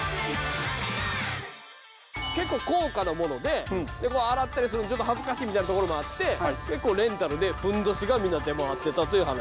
結構高価な物で洗ったりするの恥ずかしいみたいなところもあってでレンタルでふんどしが出回ってたという話。